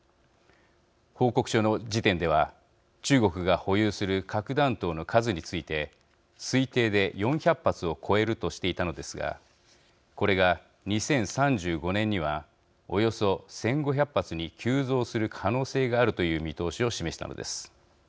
報告書の時点では中国が保有する核弾頭の数について推定で４００発を超えるとしていたのですがこれが２０３５年にはおよそ１５００発に急増する可能性があるという見通しを示したのです。